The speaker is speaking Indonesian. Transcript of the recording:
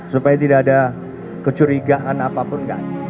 supaya tidak ada kecurigaan apapun